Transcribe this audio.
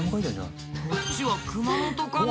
こっちは熊本かな。